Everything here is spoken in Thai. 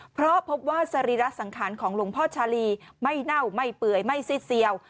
เพราะพบว่าสรีระสังขารของหลวงพ่อชาลีไม่เน่าไม่เปื่อยไม่ซิดเซียว